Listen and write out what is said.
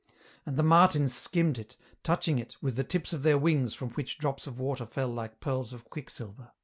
And the martins skimmed it, touching it with the tips of their wings from which drops of water fell like pearls of quicksilver.